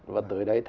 và tới đây